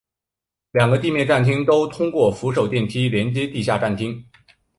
两个地面站厅都通过扶手电梯连接地下站厅。